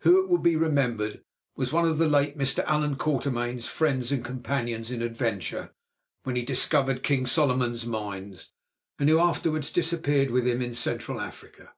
who, it will be remembered, was one of the late Mr. Allan Quatermain's friends and companions in adventure when he discovered King Solomon's Mines, and who afterwards disappeared with him in Central Africa.